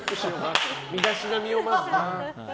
身だしなみを、まずね。